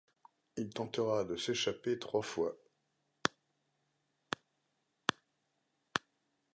Il tentera de s’échapper trois fois.